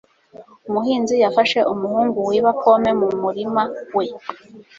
umuhinzi yafashe umuhungu wiba pome mu murima we